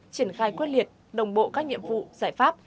triển khai quyết liệt đồng bộ các nhiệm vụ giải pháp